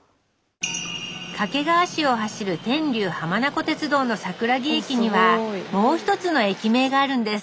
掛川市を走る天竜浜名湖鉄道の桜木駅にはもう一つの駅名があるんです。